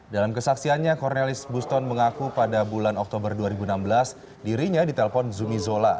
dalam kesaksiannya cornelis buston mengaku pada bulan oktober dua ribu enam belas dirinya ditelepon zumi zola